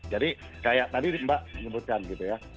jadi kayak tadi mbak menyebutkan gitu ya